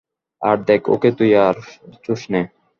আর দ্যাখ ওকে তুই আর ছুসনে।